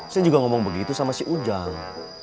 saya juga ngomong begitu sama si ujang